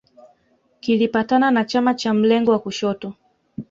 Kilipatana na chama cha mlengo wa kushoto